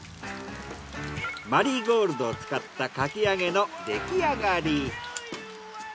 マリーゴールドを使ったかき揚げの出来上がり。